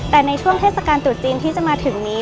แต่ในช่วงเทศกาลตรุษจีนที่จะมาถึงนี้